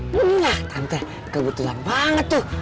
nih lah tante kebetulan banget tuh